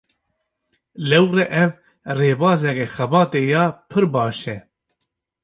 Lewre ev, rêbazeke xebatê ya pir baş e